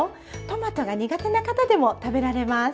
トマトが苦手な方でも食べられます。